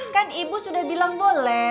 kan ibu sudah bilang boleh